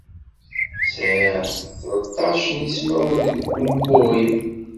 Sεiɣ tleṭṭac n yismawen deg umuɣ-iw.